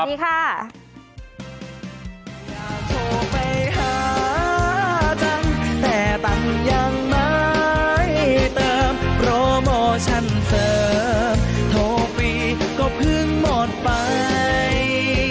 อย่าโทรไปหาจังแต่ตังค์ยังไม่เติมโปรโมชั่นเสริมโทรฟรีก็เพิ่งหมดไป